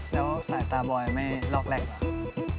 แล้วสายตาบอยไม่ลอกแรกครับ